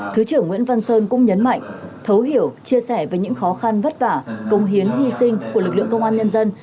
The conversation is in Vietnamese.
thứ trưởng nguyễn văn sơn cũng nhấn mạnh thấu hiểu chia sẻ về những khó khăn vất vả công hiến hy sinh của lực lượng công an nhân dân